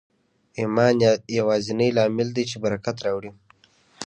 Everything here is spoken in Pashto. ایمان یوازېنی لامل دی چې برکت راوړي